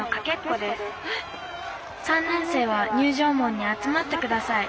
３年生は入場門に集まってください」。